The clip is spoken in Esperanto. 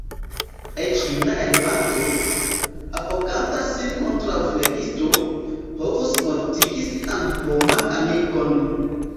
Eĉ juna elefanto, apoganta sin kontraŭ flegisto, povus mortigi sian homan amikon.